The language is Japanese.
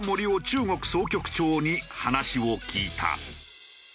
中国総局長に話を聞いた。